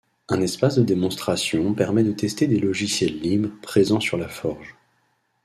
Un espace de démonstration permet de tester des logiciels libres présents sur la forge.